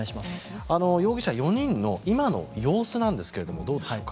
容疑者４人の今の様子なんですがどうですか。